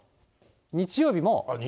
日曜日も。